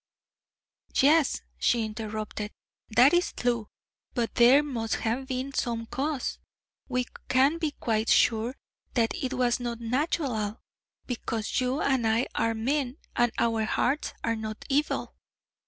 'Yes,' she interrupted, 'that is tlue: but there must have been some cause! We can be quite sure that it was not natulal, because you and I are men, and our hearts are not evil.'